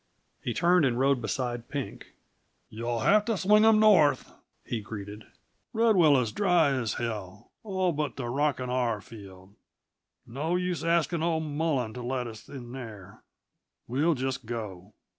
He turned and rode beside Pink. "Yuh'll have t' swing 'em north," he greeted. "Red Willow's dry as hell all but in the Rockin' R field. No use askin' ole Mullen to let us in there; we'll just go.